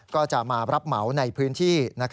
ก็จะมารับเหมาในพื้นที่